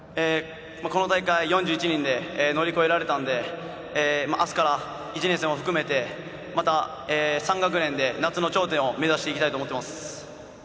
この大会、４１人で乗り越えられたのであすから１年生も含めてまた３学年で夏の頂点を目指していきたいと思っています。